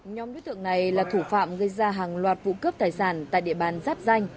nhóm đối tượng này là thủ phạm gây ra hàng loạt vụ cướp tài sản tại địa bàn giáp danh